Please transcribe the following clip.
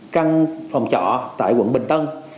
căn phòng trọ tại quận bình tân